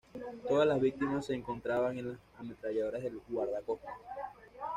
Todas las víctimas se encontraban en las ametralladoras del guardacostas.